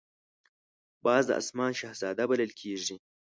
باز د آسمان شهزاده بلل کېږي